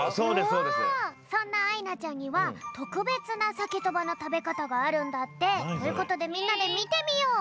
そんなあいなちゃんにはとくべつなサケとばの食べかたがあるんだって。ということでみんなでみてみよう！